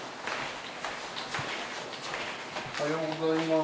おはようございます。